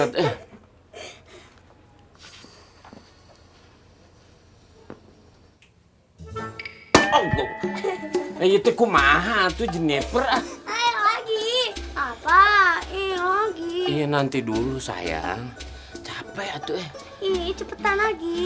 itu ku mahal tujuhnya perang lagi apa ini nanti dulu sayang capek